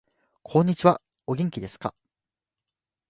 こんにちは。お元気ですか。